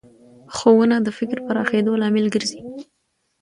ښوونه د فکر پراخېدو لامل ګرځي